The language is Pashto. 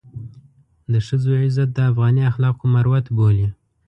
د ښځو عزت د افغاني اخلاقو مروت بولي.